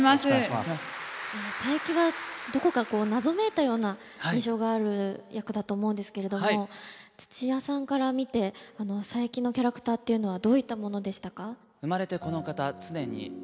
佐伯はどこか謎めいたような印象がある役だと思うんですけれども土屋さんから見て佐伯のキャラクターっていうのはどういったものでしたか？